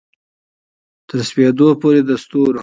تر سپیدو پوري د ستورو